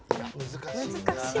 難しい。